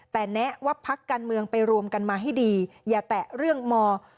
แต่แนะว่าพักการเมืองไปรวมกันมาให้ดีอย่าแตะเรื่องม๖